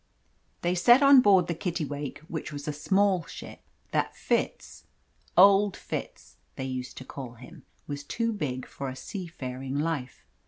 They said on board the Kittiwake, which was a small ship, that Fitz, "old" Fitz, they used to call him was too big for a seafaring life.